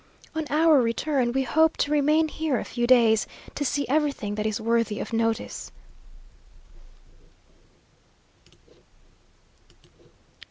On our return we hope to remain here a few days, to see everything that is worthy of notice.